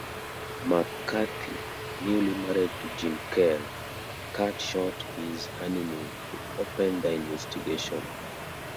McCarthy, newly married to Jean Kerr, cut short his honeymoon to open the investigation.